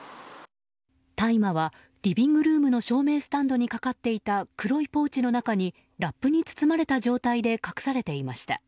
大麻はリビングルームの照明スタンドにかかっていた黒いポーチの中にラップに包まれた状態で隠されていました。